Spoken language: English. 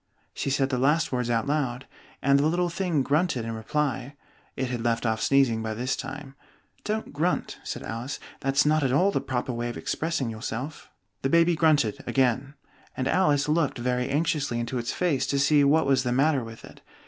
She said the last words out loud, and the little thing grunted in reply (it had left off sneezing by this time). "Don't grunt," said Alice: "that's not at all the proper way of expressing yourself." The baby grunted again, and Alice looked very anxiously into its face to see what was the matter with it.